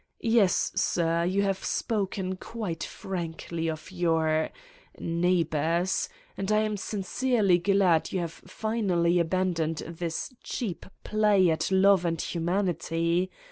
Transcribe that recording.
Yes, sir, you have spoken quite frankly of your ... neighbors and I am sincerely glad you have finally abandoned this cheap play at love and humanity.